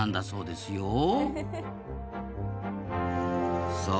そうですね。